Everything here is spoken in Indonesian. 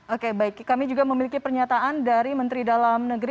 oke baik kami juga memiliki pernyataan dari menteri dalam negeri